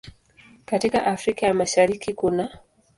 Katika Afrika ya Mashariki kunaː